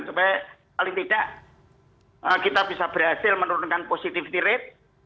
supaya paling tidak kita bisa berhasil menurunkan positivity rate